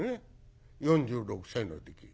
４６歳の時。